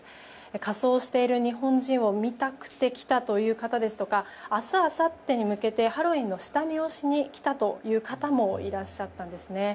仮装をしている日本人を見たくて来たという方ですとか明日、あさってに向けてハロウィーンの下見をしに来たという方もいらっしゃったんですね。